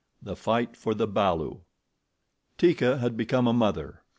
3 The Fight for the Balu TEEKA HAD BECOME a mother.